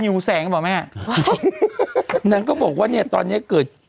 มีแสงบอกแม่นั่นก็บอกว่าเนี้ยตอนเนี้ยเกิด